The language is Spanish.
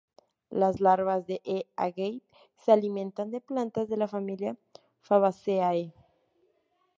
Las larvas de "E. agave" se alimentan de plantas de la familia "Fabaceae".